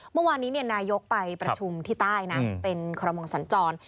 เมื่อวานนี้นายกไปประชุมที่ใต้นะเป็นคอรมอสัญจร